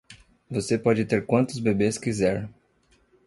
Você pode ter quantos bebês quiser.